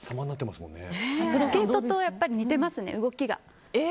スケートと似てますね、動きが。